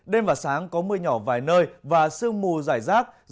đêm và sáng có mưa nhỏ vài nơi và sương mù giải rác